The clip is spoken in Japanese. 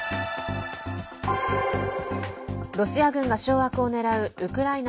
ロシア軍が掌握をねらうウクライナ